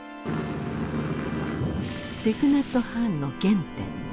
ティク・ナット・ハンの原点。